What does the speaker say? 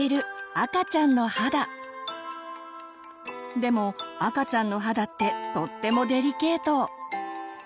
でも赤ちゃんの肌ってとってもデリケート。